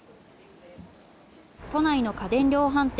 都内の家電量販店。